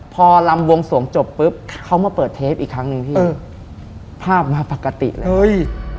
พอลำวงสวงจบปุ๊บเขามาเปิดเทปอีกครั้งหนึ่งพี่เออภาพมาปกติเลยเฮ้ย